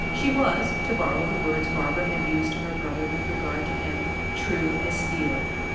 She was, to borrow the words Barbara had used to her brother with regard to him, true as steel.